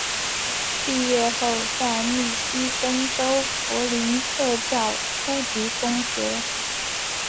毕业后在密西根州弗林特教初级中学。